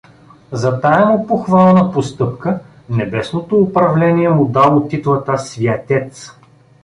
За тая му похвална постъпка небесното управление му дало титлата святец.